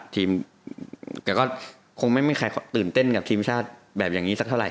แกก็คงไม่มีใครตื่นเต้นกับทีมชาติแบบอย่างนี้สักเท่าไห